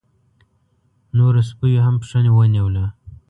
نورو سپيو هم پښه ونيوله.